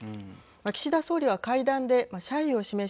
岸田総理は会談で謝意を示し